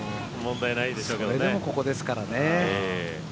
それでもここですからね。